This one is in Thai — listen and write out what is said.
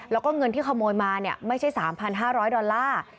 แล้วก็เงินที่ขโมยมาไม่ใช่๓๕๐๐ดอลลาร์